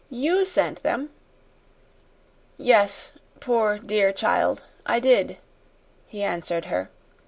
YOU sent them!" "Yes, poor, dear child, I did," he answered her.